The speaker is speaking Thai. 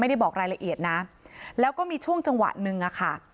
บอกรายละเอียดนะแล้วก็มีช่วงจังหวะหนึ่งอะค่ะ